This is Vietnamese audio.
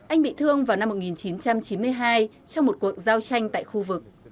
anh bị thương vào năm một nghìn chín trăm chín mươi hai trong một cuộc giao tranh tại khu vực